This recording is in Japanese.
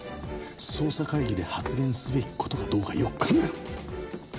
捜査会議で発言すべき事かどうかよく考えろ！